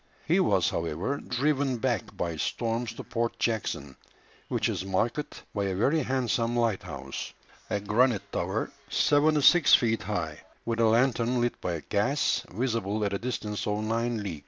He was, however, driven back by storms to Port Jackson, which is marked by a very handsome lighthouse, a granite tower seventy six feet high, with a lantern lit by gas, visible at a distance of nine leagues.